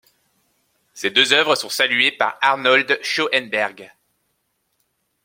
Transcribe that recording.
Ces deux œuvres sont saluées par Arnold Schoenberg.